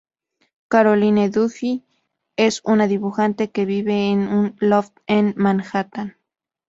Caroline Duffy es una dibujante que vive en un loft en Manhattan.